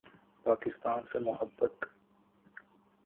پاکستان سے محبت